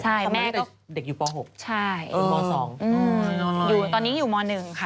ใช่แม่ก็เด็กอยู่ป่อหกใช่เออมอสองอืมอยู่ตอนนี้อยู่มอหนึ่งค่ะ